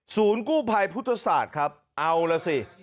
กู้ภัยพุทธศาสตร์ครับเอาล่ะสิ